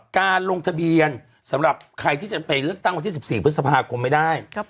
การลงทะเบียนสำหรับใครที่จะไปเลือกตั้งวันที่๑๔พฤษภาคมไม่ได้